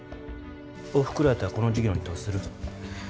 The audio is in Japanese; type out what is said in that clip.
おふくろやったらこの事業に投資する？